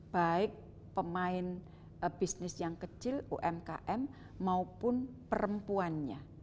baik pemain bisnis yang kecil umkm maupun perempuannya